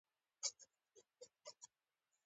صدقه ورکړي.